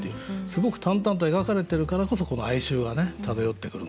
すごく淡々と描かれてるからこそこの哀愁が漂ってくるんですよね。